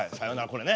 これね。